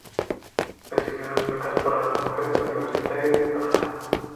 Recibió dos becas para las mujeres universitarias de Canadá.